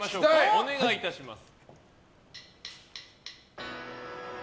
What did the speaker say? お願いいたします。